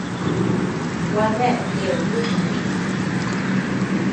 Gua dea neu nuku biʼi.